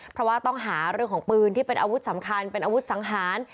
เพราะว่าต้องหาเรื่องของปืนที่เป็นอาวุธสำคัญเป็นอาวุธสังหาร